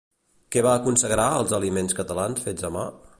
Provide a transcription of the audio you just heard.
Què es consagrarà als aliments catalans fets a mà?